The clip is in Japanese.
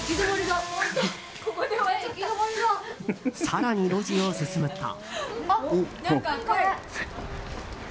更に路地を進むと。